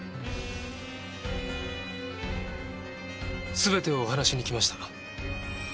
全てをお話しに来ました。